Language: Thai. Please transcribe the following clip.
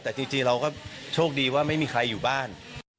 แต่จริงเราก็โชคดีว่าไม่มีใครอยู่บ้าน